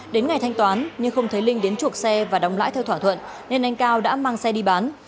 đến ngày thanh toán nhưng không thấy linh đến chuộc xe và đóng lãi theo thỏa thuận nên anh cao đã mang xe đi bán